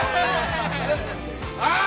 ああ！